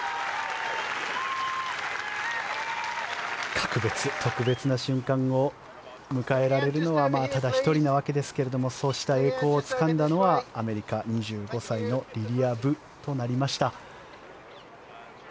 格別、特別な瞬間を迎えられるのはただ１人のわけですがそうした栄光をつかんだのはアメリカ、２５歳のリリア・ブとなりました。